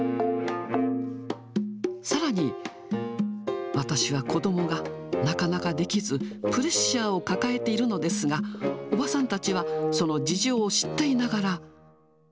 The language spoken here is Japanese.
さらに、私は子どもがなかなかできず、プレッシャーを抱えているのですが、おばさんたちはその事情を知っていながら。